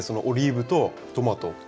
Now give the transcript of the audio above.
オリーブとトマト。